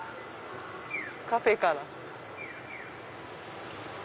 カフェから。